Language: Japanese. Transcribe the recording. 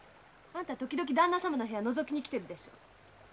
あんた時々だんな様の部屋のぞきに来てるでしょ？